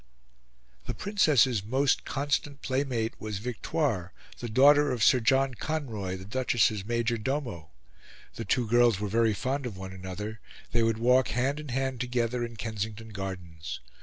The Princess's most constant playmate was Victoire, the daughter of Sir John Conroy, the Duchess's major domo. The two girls were very fond of one another; they would walk hand in hand together in Kensington Gardens.